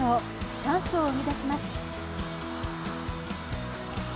チャンスを生み出します。